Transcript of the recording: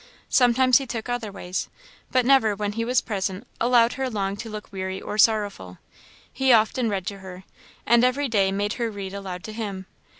Sometimes he took other ways, but never, when he was present, allowed her long to look weary or sorrowful. He often read to her, and every day made her read aloud to him.